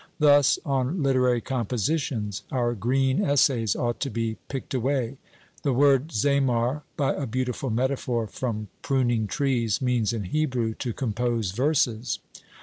Thus, on literary compositions, our green essays ought to be picked away. The word Zamar, by a beautiful metaphor from pruning trees, means in Hebrew to compose verses.